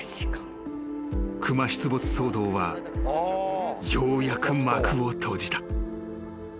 ［熊出没騒動はようやく幕を閉じた］